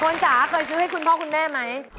จ๋าเคยซื้อให้คุณพ่อคุณแม่ไหม